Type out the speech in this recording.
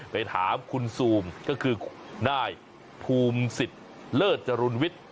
ไปถามคุณซูมก็คือนายภูมิสิทธิ์เลิศจรุลวิทย์